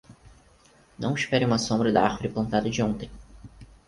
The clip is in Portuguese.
Não espere uma sombra da árvore plantada de ontem.